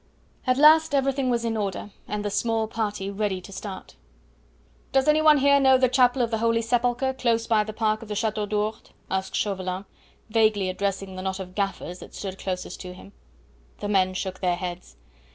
At last everything was in order and the small party ready to start. "Does any one here know the Chapel of the Holy Sepulchre, close by the park of the Chateau d'Ourde?" asked Chauvelin, vaguely addressing the knot of gaffers that stood closest to him. The men shook their heads.